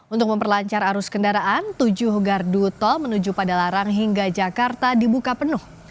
untuk memperlancar arus kendaraan tujuh gardu tol menuju pada larang hingga jakarta dibuka penuh